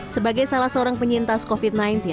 sebagai salah seorang penyintas covid sembilan belas